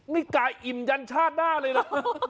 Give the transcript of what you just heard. นี่กะอิ่มยันชาติหน้าเลยนะ